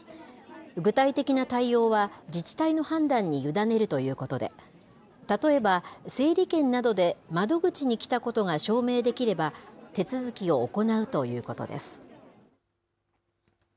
具体的な対応は自治体の判断に委ねるということで、例えば、整理券などで窓口に来たことが証明できれば、手続きを行うということです。